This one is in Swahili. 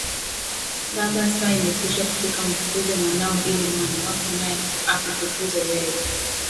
Baba saa imekwisha kufika Mtukuze Mwanao ili Mwana wako naye akutukuze wewe